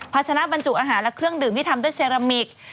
ชนะบรรจุอาหารและเครื่องดื่มที่ทำด้วยเซรามิก